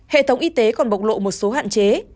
hệ thống y tế còn bộc lộ một số hạn chế